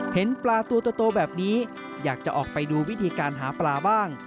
เห็นปลาตัวโตแบบนี้อยากจะออกไปดูวิธีการหาปลาบ้าง